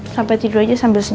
siapa nanti teman baik